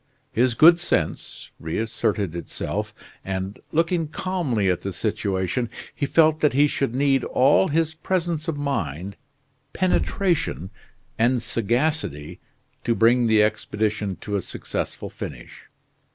His good sense reasserted itself, and, looking calmly at the situation, he felt that he should need all his presence of mind, penetration, and sagacity to bring the expedition to a successful finish.